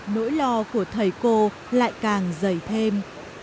nỗi lo của thầy cô lại càng dày thêm